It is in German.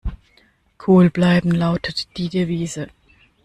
Cool bleiben lautet die Devise.